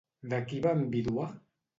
De qui va enviduar?